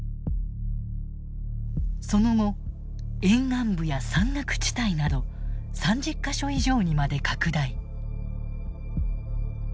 その後沿岸部や山岳地帯など３０か所以上にまで拡大。